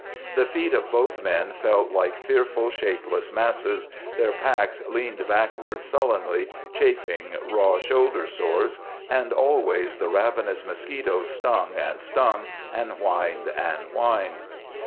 The feet of both men felt like fearful, shapeless masses; their packs leaned backward sullenly, chafing raw shoulder sores; and always the ravenous mosquitoes stung and stung, and whined and whined.